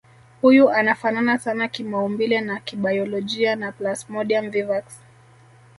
Huyu anafanana sana kimaumbile na kibayolojia na Plasmodium vivax